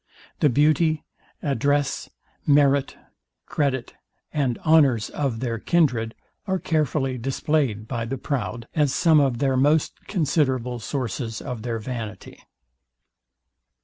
The beauty, address, merit, credit and honours of their kindred are carefully displayed by the proud, as some of their most considerable sources of their vanity.